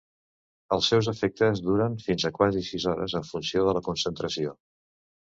Els seus efectes duren fins a quasi sis hores, en funció de la concentració.